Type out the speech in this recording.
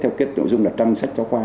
theo kiếp nội dung là trăng sách cho khoa